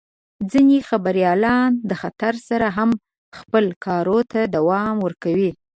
ځینې خبریالان د خطر سره هم خپل کار ته دوام ورکوي.